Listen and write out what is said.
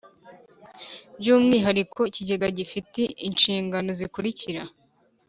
By umwihariko ikigega gifite inshingano zikurikira